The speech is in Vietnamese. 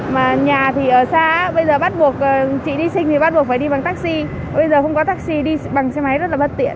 mà nhà thì ở xa bây giờ bắt buộc chị đi sinh thì bắt buộc phải đi bằng taxi bây giờ không có taxi đi bằng xe máy rất là bất tiện